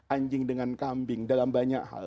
anjing dengan kambing dalam banyak hal